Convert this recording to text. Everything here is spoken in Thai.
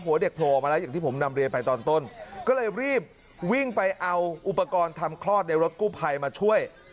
เด็กโผล่ออกมาแล้วอย่างที่ผมนำเรียนไปตอนต้นก็เลยรีบวิ่งไปเอาอุปกรณ์ทำคลอดในรถกู้ภัยมาช่วย